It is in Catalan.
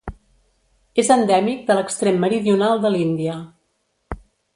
És endèmic de l'extrem meridional de l'Índia.